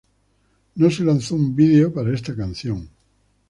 No se lanzó un video para esta canción.